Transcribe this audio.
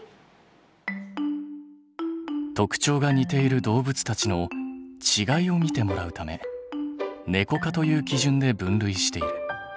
特徴が似ている動物たちの違いを見てもらうためネコ科という基準で分類している。